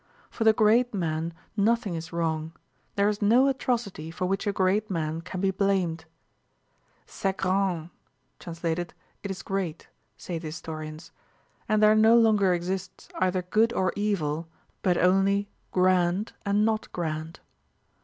For the "great" man nothing is wrong, there is no atrocity for which a "great" man can be blamed. "C'est grand!" * say the historians, and there no longer exists either good or evil but only "grand" and "not grand."